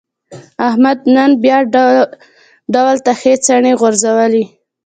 احمد نن بیا ډول ته ښې څڼې غورځولې.